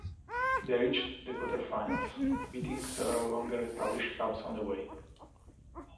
They reached the quarter-finals, beating several longer-established clubs on the way.